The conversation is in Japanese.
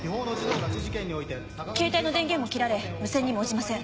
ケータイの電源も切られ無線にも応じません。